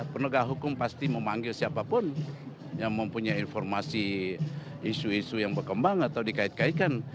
penegak hukum pasti memanggil siapapun yang mempunyai informasi isu isu yang berkembang atau dikait kaitkan